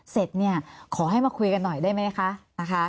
เสร็จเนี่ยขอให้มาคุยกันหน่อยได้ไหมคะนะคะ